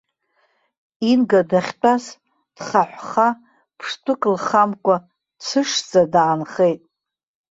Инга дахьтәаз дхаҳәха, ԥштәык лхамкәа, дцәышшӡа даанхеит.